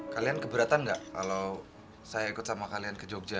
kalian keberatan nggak kalau saya ikut sama kalian ke jogja